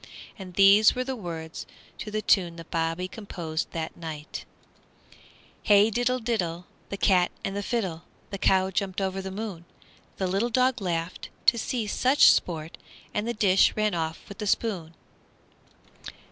And these were the words to the tune that Bobby composed that night: Hey, diddle, diddle, The cat and the fiddle, The cow jumped over the moon! The little dog laughed To see such sport, And the dish ran away with the spoon!